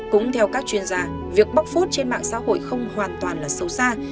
cũng theo các chuyên gia việc bóc phút trên mạng xã hội không hoàn toàn là sâu xa